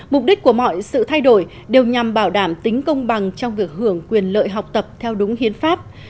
mục đích của mọi sự thay đổi đều nhằm bảo đảm tính công bằng trong việc hưởng quyền lợi học tập theo đúng hiến pháp